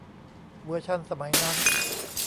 เวอร์ชั่นสมัยนั้น